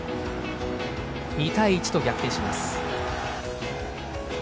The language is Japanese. ２対１と逆転します。